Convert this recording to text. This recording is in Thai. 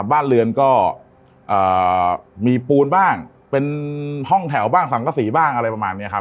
บ้านเรือนก็มีปูนบ้างเป็นห้องแถวบ้างสังกษีบ้างอะไรประมาณนี้ครับ